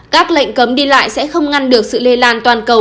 các lệnh cấm đi lại sẽ không ngăn được sự lây lan toàn cầu